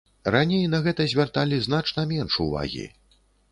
Раней на гэта звярталі значна менш увагі.